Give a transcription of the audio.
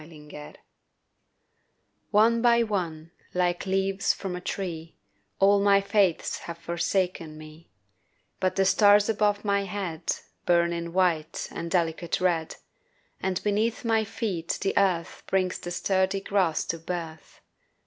LEAVES ONE by one, like leaves from a tree, All my faiths have forsaken me; But the stars above my head Burn in white and delicate red, And beneath my feet the earth Brings the sturdy grass to birth.